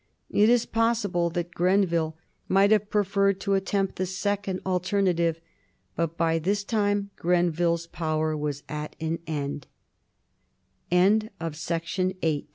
It is possible that Grenville might have preferred to attempt the second alternative, but by this time Grenville's power was at an end. CHAPTER XLVII. EDMUND BURKE.